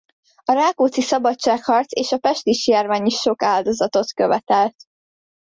A Rákóczi-szabadságharc és a pestisjárvány is sok áldozatot követelt.